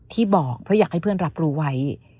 ที่บอกเพราะอยากให้เพื่อนรับรู้ไว้